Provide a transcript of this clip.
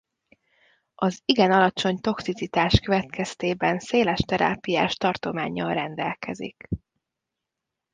Az igen alacsony toxicitás következtében széles terápiás tartománnyal rendelkezik.